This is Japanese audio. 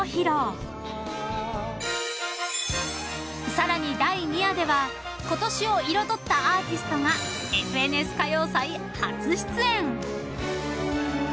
［さらに第２夜ではことしを彩ったアーティストが『ＦＮＳ歌謡祭』初出演］